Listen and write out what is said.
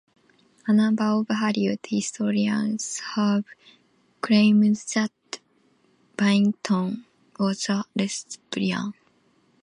A number of Hollywood historians have claimed that Byington was a lesbian.